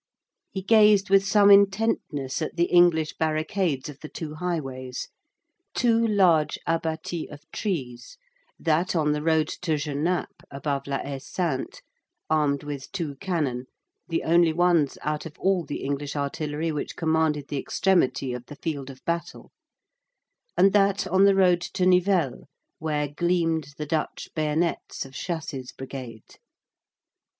He gazed with some intentness at the English barricades of the two highways,—two large abatis of trees, that on the road to Genappe above La Haie Sainte, armed with two cannon, the only ones out of all the English artillery which commanded the extremity of the field of battle, and that on the road to Nivelles where gleamed the Dutch bayonets of Chassé's brigade.